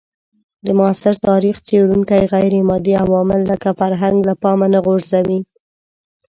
د معاصر تاریخ څېړونکي غیرمادي عوامل لکه فرهنګ له پامه نه غورځوي.